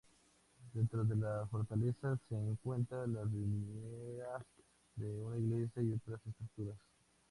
Dentro de la fortaleza se encuentran las ruinas de una iglesia y otras estructuras.